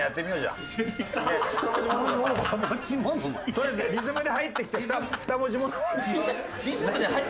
とりあえずリズムで入ってきて２文字モノマネ？